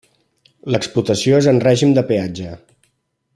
L'explotació és en règim de peatge.